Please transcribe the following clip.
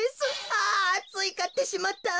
あついかってしまった。